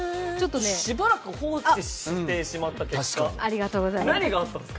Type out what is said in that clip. しばらく放置してしまった結果何があったんですか？